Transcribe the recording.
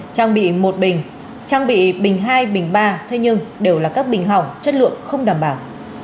trang bị một bình trang bị bình hai bình ba thế nhưng đều là các bình hỏng chất lượng không đảm bảo